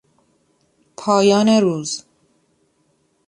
پایان روز